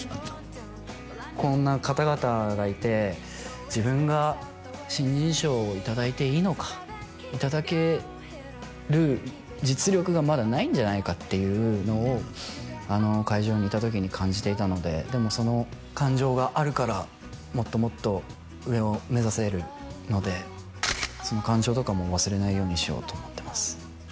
こんな方々がいて自分が新人賞をいただいていいのかいただける実力がまだないんじゃないかっていうのをあの会場にいた時に感じていたのででもその感情があるからもっともっと上を目指せるのでその感情とかも忘れないようにしようと思ってます